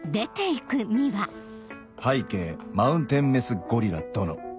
拝啓マウンテンメスゴリラ殿